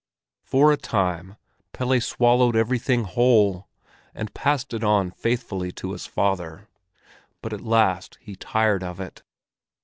For a time Pelle swallowed everything whole, and passed it on faithfully to his father; but at last he tired of it.